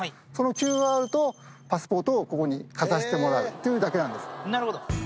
そのＱＲとパスポートをここにかざしてもらうっていうだけなんです。